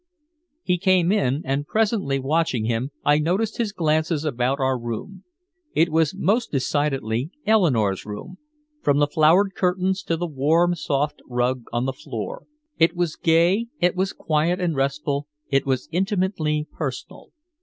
He came in, and presently watching him I noticed his glances about our room. It was most decidedly Eleanore's room, from the flowered curtains to the warm soft rug on the floor. It was gay, it was quiet and restful, it was intimately personal.